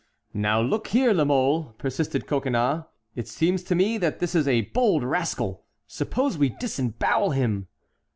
"Now look here, La Mole," persisted Coconnas, "it seems to me that this is a bold rascal; suppose we disembowel him!"